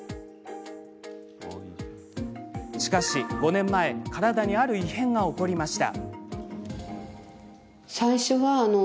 しかし５年前体にある異変が起こりました。